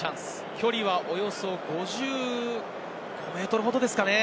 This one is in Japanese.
距離はおよそ５５ｍほどですかね。